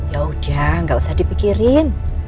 ya udah gak usah dipikirin